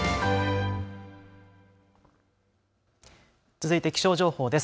続いて気象情報です。